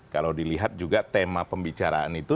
kalau dilihat juga tema pembicaraan itu